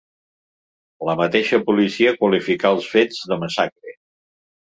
La mateixa policia qualificà els fets de massacre.